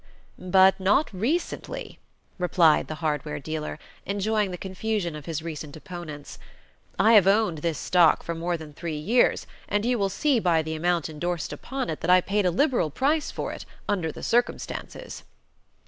"But not recently," replied the hardware dealer, enjoying the confusion of his recent opponents. "I have owned this stock for more than three years, and you will see by the amount endorsed upon it that I paid a liberal price for it, under the circumstances."